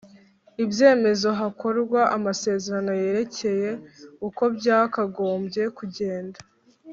ibyemezo hakorwa amasezerano yerekeye uko byakagombye kugenda